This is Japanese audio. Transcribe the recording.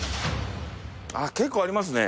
結構ありますね